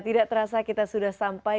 tidak terasa kita sudah sampai